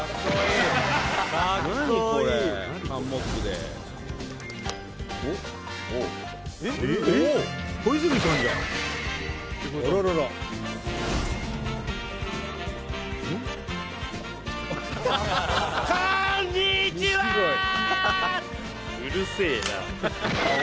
すっごい